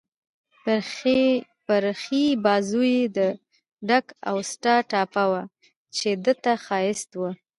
پر ښي بازو يې د ډک اوسټا ټاپه وه، چې ده ته ښایسته وه.